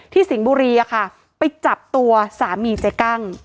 สิงห์บุรีอะค่ะไปจับตัวสามีเจ๊กั้ง